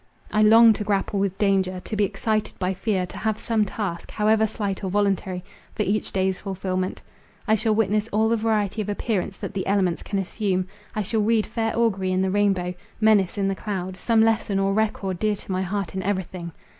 I long to grapple with danger, to be excited by fear, to have some task, however slight or voluntary, for each day's fulfilment. I shall witness all the variety of appearance, that the elements can assume—I shall read fair augury in the rainbow— menace in the cloud—some lesson or record dear to my heart in everything.